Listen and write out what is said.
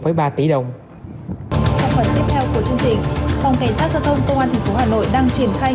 trong phần tiếp theo của chương trình